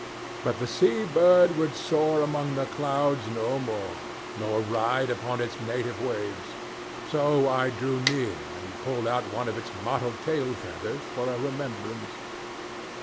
But the sea bird would soar among the clouds no more, nor ride upon its native waves; so I drew near and pulled out one of its mottled tail feathers for a remembrance.